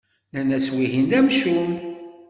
Nnan-as wihin d amcum.